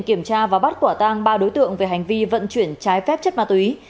kiểm tra và bắt quả tang ba đối tượng về hành vi vận chuyển trái phép chất ma túy